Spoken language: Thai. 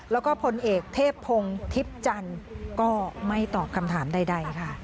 แล้วก็พลเอกเทพพงศ์ทิพย์จันทร์ก็ไม่ตอบคำถามใดค่ะ